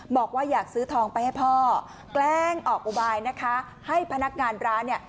บอกว่าอยากซื้อทองไปให้พ่อแกล้งออกอุบายนะคะให้พนักงานร้านเนี่ย